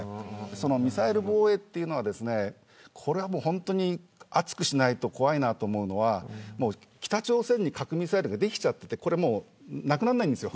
ミサイル防衛というのは本当に厚くしないと怖いなと思うのは北朝鮮に核ミサイルが出来てこれはもう、なくならないです。